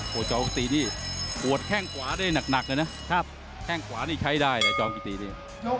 โหจอมกิตตีนี่โหดแค่งขวาได้หนักนะแค่งขวานี่ใช้ได้เลยจอมกิตตีนี่